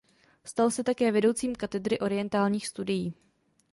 Stal se také vedoucím katedry Orientálních studií.